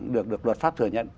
được luật pháp thừa nhận